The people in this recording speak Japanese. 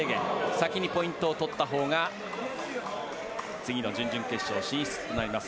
先にポイントを取ったほうが次の準々決勝進出となります。